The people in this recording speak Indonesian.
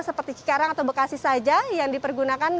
seperti cikarang atau bekasi saja yang dipergunakan